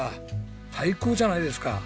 最高じゃないですか。